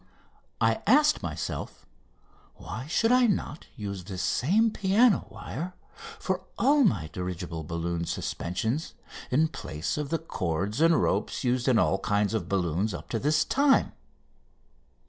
I asked myself why I should not use this same piano wire for all my dirigible balloon suspensions in place of the cords and ropes used in all kinds of balloons up to this time.